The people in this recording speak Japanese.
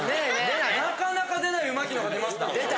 なかなか出ない「うまきの」が出ました。